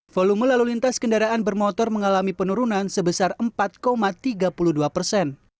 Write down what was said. volume lalu lintas kendaraan bermotor mengalami penurunan sebesar empat tiga puluh dua persen